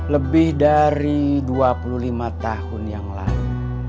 lebih dari dua puluh lima tahun yang lalu